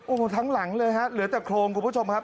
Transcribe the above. โอ้โหทั้งหลังเลยฮะเหลือแต่โครงคุณผู้ชมครับ